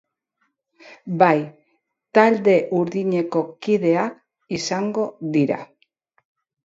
Hemendik aurrera, talde urdineko kideak izango dira.